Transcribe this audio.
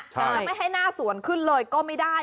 จะไม่ให้หน้าสวนขึ้นเลยก็ไม่ได้